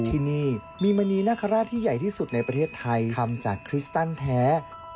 ที่นี่มีมณีนาคาราชที่ใหญ่ที่สุดในประเทศไทยทำจากคริสตันแท้